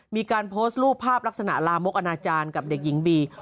มีการโพสต์รูปภาพลักษณะลามกอนาจารย์กับเด็กหญิงบี